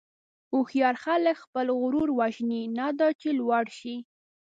هوښیار خلک خپل غرور وژني، نه دا چې لوړ شي.